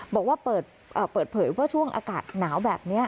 บอกว่าเปิดเผยว่าช่วงอากาศหนาวแบบนี้